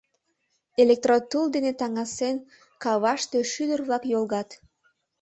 Электротул дене таҥасен, каваште шӱдыр-влак йолгат.